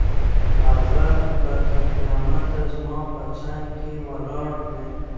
هغه به تر قیامته زما په څنګ کې ولاړه وي.